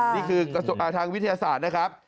นี่คือทางวิทยาศาสตร์นะครับ